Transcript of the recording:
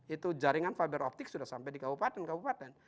itu jaringan fiber optic sudah sampai di kabupaten kabupaten